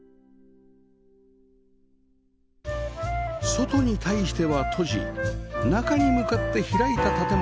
外に対しては閉じ中に向かって開いた建物